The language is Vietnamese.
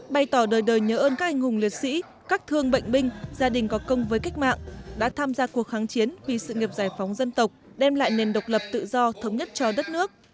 bày tỏ đời đời nhớ ơn các anh hùng liệt sĩ các thương bệnh binh gia đình có công với cách mạng đã tham gia cuộc kháng chiến vì sự nghiệp giải phóng dân tộc đem lại nền độc lập tự do thống nhất cho đất nước